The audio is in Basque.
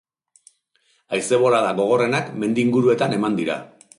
Haize-bolada gogorrenak mendi inguruetan eman dira.